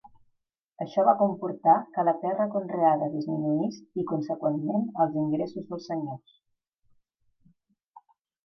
Això va comportar que la terra conreada disminuís i, conseqüentment, els ingressos dels senyors.